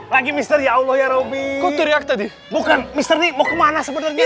lagi mister ya allah ya robby kuteriak tadi bukan mister nih mau kemana sebenarnya